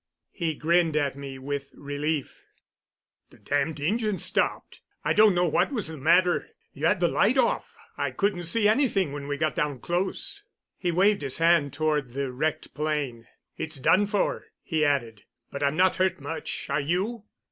He grinned at me with relief. "The damned engine stopped. I don't know what was the matter. You had the light off. I couldn't see anything when we got down close." He waved his hand toward the wrecked plane. "It's done for," he added; "but I'm not hurt much. Are you?"